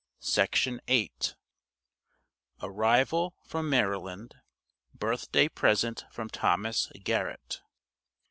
GARRETT. ARRIVAL FROM MARYLAND. BIRTH DAY PRESENT FROM THOMAS GARRETT.